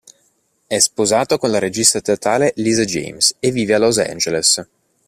È sposato con la regista teatrale Lisa James e vive a Los Angeles.